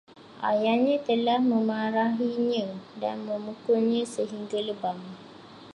Ayahnya telah memarahinya dan memukulnya sehingga lebam